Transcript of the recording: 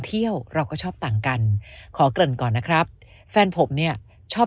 เที่ยวเราก็ชอบต่างกันขอเกริ่นก่อนนะครับแฟนผมเนี่ยชอบ